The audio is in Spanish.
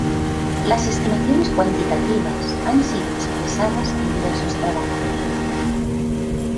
Las estimaciones cuantitativas han sido expresadas en diversos trabajos.